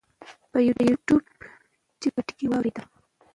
پۀ يو ټيوب ټکے پۀ ټکے واورېده -